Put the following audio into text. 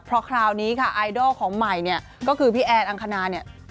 เพราะคราวนี้ไอดอลของใหม่ก็คือพี่แอนอังคณา